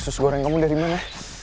susu goreng kamu dari mana